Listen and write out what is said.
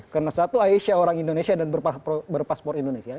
karena satu aisyah orang indonesia dan berpaspor indonesia